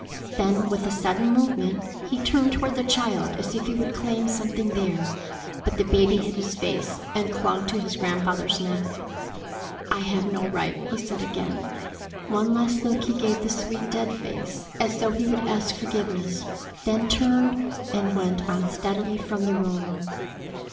Then with a sudden movement he turned toward the child as if he would claim something there, but the baby hid his face and clung to his grandfather's neck. "I have no right," he said again. One last look he gave the sweet dead face, as though he would ask forgiveness, then turned and went unsteadily from the room.